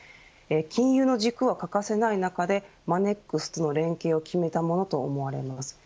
金融の軸は欠かせない中でマネックスとの連携を決めたものと思われます。